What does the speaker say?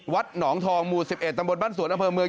วัดหนองทองหมู่๑๑ตำบลบ้านสวนอำเภอเมือง